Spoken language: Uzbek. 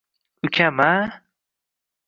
Ukam-a